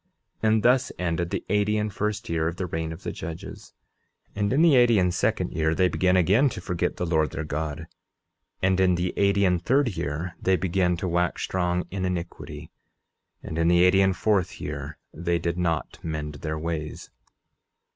11:35 And thus ended the eighty and first year of the reign of the judges. 11:36 And in the eighty and second year they began again to forget the Lord their God. And in the eighty and third year they began to wax strong in iniquity. And in the eighty and fourth year they did not mend their ways.